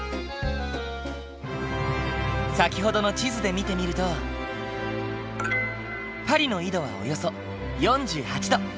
先ほどの地図で見てみるとパリの緯度はおよそ４８度。